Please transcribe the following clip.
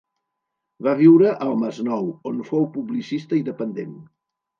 Va viure al Masnou, on fou publicista i dependent.